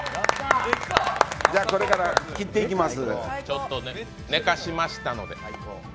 これから切っていきます。